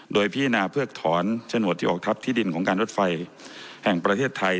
โดยพิจารณาเพิกถอนโฉนดที่ออกทัพที่ดินของการรถไฟแห่งประเทศไทย